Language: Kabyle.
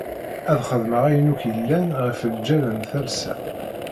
Ad xedmeɣ ayen akk yellan ɣef lǧal n talsa.